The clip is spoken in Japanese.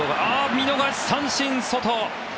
見逃し三振、外。